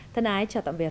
thân ái chào tạm biệt